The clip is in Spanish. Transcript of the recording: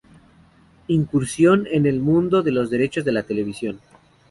Incursión en el mundo de los derechos de televisación.